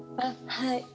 はい。